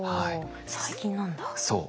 そう。